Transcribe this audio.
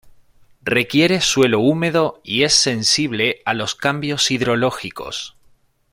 Requiere suelo húmedo, y es sensible a los cambios hidrológicos.